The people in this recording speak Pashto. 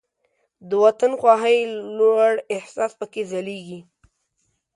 د وطن خواهۍ لوړ احساس پکې ځلیږي.